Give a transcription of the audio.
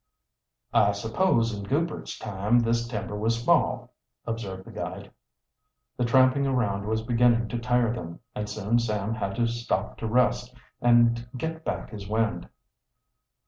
"I suppose in Goupert's time this timber was small," observed the guide. The tramping around was beginning to tire them, and soon Sam had to stop to rest and get back his wind.